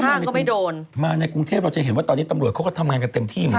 แต่เขาที่ทำงานในกรุงเทพเราจะเห็นว่าตอนนี้ตำรวจเค้าก็ทำงานกันเต็มที่มากัน